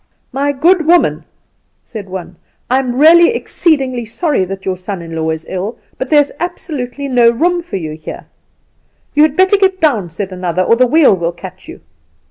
"'My good woman,' said one, 'I am really exceedingly sorry that your son in law is ill; but there is absolutely no room for you here.' "'You had better get down,' said another, 'or the wheel will catch you.